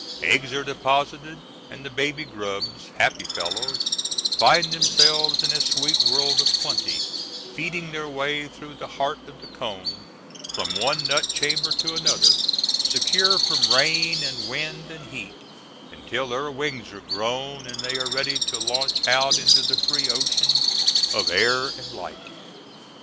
Eggs are deposited, and the baby grubs, happy fellows, find themselves in a sweet world of plenty, feeding their way through the heart of the cone from one nut chamber to another, secure from rain and wind and heat, until their wings are grown and they are ready to launch out into the free ocean of air and light.